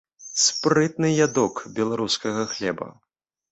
Спрытны ядок беларускага хлеба.